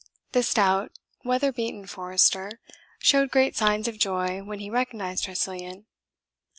The stout, weather beaten forester showed great signs of joy when he recognized Tressilian.